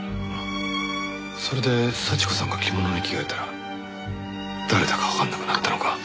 それで幸子さんが着物に着替えたら誰だかわからなくなったのか。